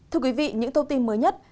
thưa quý vị những thông tin mới nhất